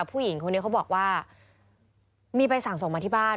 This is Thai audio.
ผู้หญิงคนนี้เขาบอกว่ามีใบสั่งส่งมาที่บ้าน